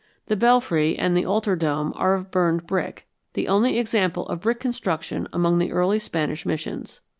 The belfry and the altar dome are of burned brick, the only example of brick construction among the early Spanish missions.